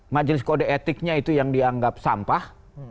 majelis kode etiknya itu yang dianggap sampah